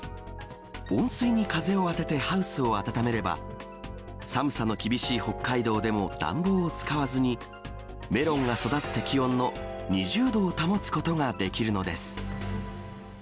温水に風を当ててハウスを暖めれば寒さの厳しい北海道でも暖房を使わずに、メロンが育つ適温の２０度を保つことができるのです。